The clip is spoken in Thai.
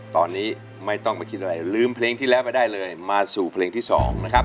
ตอนนี้ไม่ต้องไปคิดอะไรลืมเพลงที่แล้วไปได้เลยมาสู่เพลงที่๒นะครับ